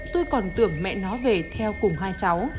tôi còn tưởng mẹ nó về theo cùng hai cháu